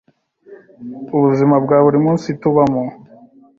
ubuzima bwa buri munsi tubamo